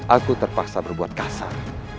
aku terpaksa berbuat kasar